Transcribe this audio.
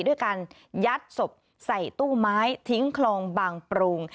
ด้วยการยัดศพใส่ตู้ไม้ทิ้งคลองบางปรุง